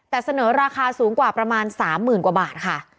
แต่เสนอราคาสูงกว่าประมาณ๓๐๐๐กว่าบาทค่ะ